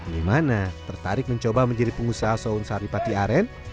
dimana tertarik mencoba menjadi pengusaha sound saripati aren